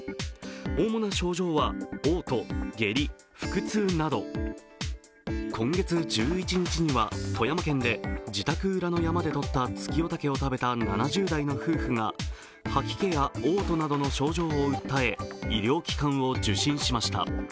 主な症状は、おう吐、下痢、腹痛など今月１１日には富山県で、自宅裏の山で採ったツキヨタケを食べた７０代の夫婦が吐き気やおう吐などの症状を訴え医療機関を受診しました。